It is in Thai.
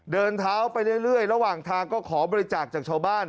เดินเท้าไปเรื่อยระหว่างทางก็ขอบริจาคจากชาวบ้าน